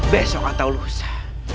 besok atau lusa